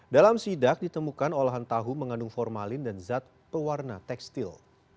dalam sidak ditemukan olahan tahu mengandung formalin dan zat pewarna tekstil